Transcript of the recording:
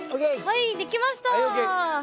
はい出来ました